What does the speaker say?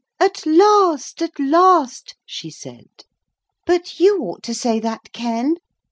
'At last, at last,' she said, 'but you ought to say that, Ken.